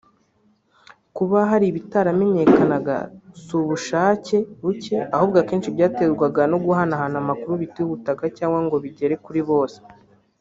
Kuba hari ibitaramenyekanaga si ubushake buke ahubwo akenshi byaterwaga no guhanahana amakuru bitihutaga cyangwa ngo bigere kuri bose